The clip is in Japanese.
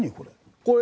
これ。